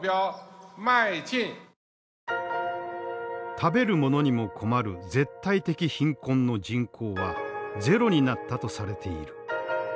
食べるものにも困る絶対的貧困の人口はゼロになったとされている。